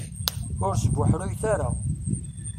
Ur sbuḥruyet ara.